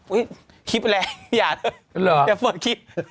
อุ้ยคลิปแรงอย่าเลยเหรออย่าเปิดคลิป